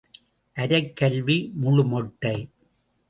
அரைக் கல்வி முழு மொட்டை.